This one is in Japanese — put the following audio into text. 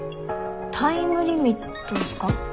タイムリミットっすか？